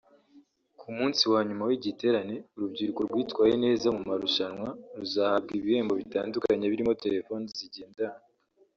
Ku munsi wa nyuma w’igiterane urubyiruko rwitwaye neza mu marushanwa ruzahabwa ibihembo bitandukanye birimo telefoni zigendanwa